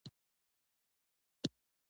پښيماني پکې له ورايه په ډېرې سختۍ سره ښکاريده.